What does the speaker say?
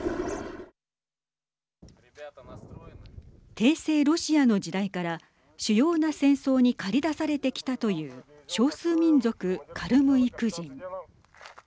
帝政ロシアの時代から主要な戦争に駆り出されてきたという少数民族カルムイク人。